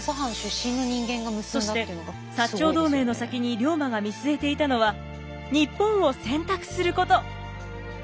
そして長同盟の先に龍馬が見据えていたのは日本を洗濯すること。